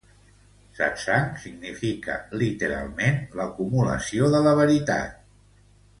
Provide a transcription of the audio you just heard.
Satsang significa literalment l'acumulació de la veritat.